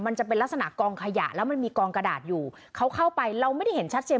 มันจะเป็นลักษณะกองขยะแล้วมันมีกองกระดาษอยู่เขาเข้าไปเราไม่ได้เห็นชัดเจน